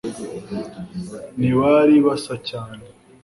Ntibari basa cyane